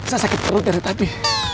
saya sakit perut dari tadi